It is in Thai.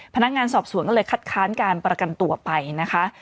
พนักงานสอบสวนก็เลยคัดค้านการประกันตัวไปนะคะ